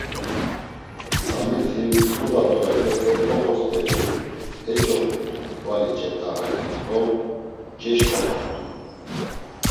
Samiti mzuğa tolepete poxo st̆eri eç̌opumt̆u ǩvali cet̆ağaneri do ceşǩomamt̆u.